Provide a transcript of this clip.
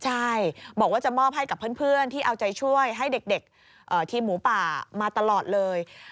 ใช่บอกว่าจะมอบให้กับเพื่อนที่เอาใจช่วยให้เด็กทีมหมูป่ามาตลอดเลย